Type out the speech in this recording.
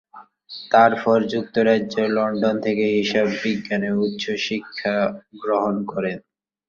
তারপর যুক্তরাজ্যের লন্ডন থেকে হিসাব বিজ্ঞানে উচ্চ শিক্ষা গ্রহণ করেন।